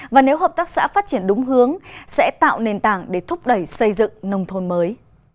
và nếu hợp tác xã phát triển đúng hướng sẽ tạo nền tảng để thúc đẩy xây dựng nông thôn mới